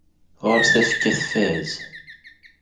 Ɣur-s tafekka tfaz.